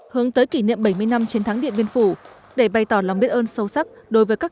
hướng tới kỷ niệm bảy mươi năm chiến thắng điện biên phủ để bày tỏ lòng biết ơn sâu sắc đối với các